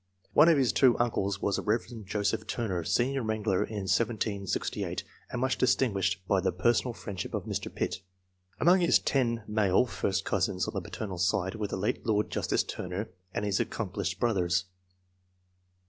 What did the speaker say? One of his two uncles was the Rev. Joseph Turner, senior wrangler I.] ANTECEDENTS. 49 in 1768, and much distinguished by the personal friendship of Mr. Pitt. Among his 1 male first cousins on the paternal side were the late Lord Justice Turner and his accomplished brothers.